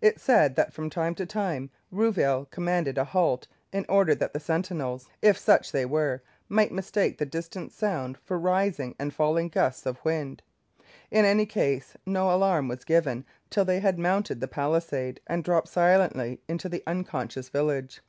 It is said that from time to time Rouville commanded a halt, in order that the sentinels, if such there were, might mistake the distant sound for rising and falling gusts of wind. In any case, no alarm was given till they had mounted the palisade and dropped silently into the unconscious village.